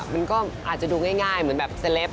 มันก็อาจจะดูง่ายเหมือนแบบเซลป